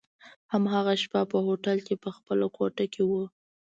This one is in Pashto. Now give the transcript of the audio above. هماغه شپه په هوټل کي په خپله کوټه کي وو.